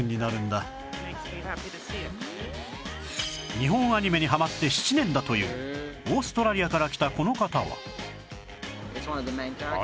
日本アニメにハマって７年だというオーストラリアから来たこの方は